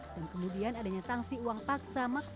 dan kemudian adanya sanksi uang paksa